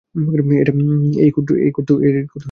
এই কোট তুমি চিনতে পারছো?